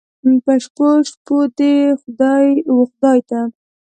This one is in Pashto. په شپو، شپو مې دې و خدای ته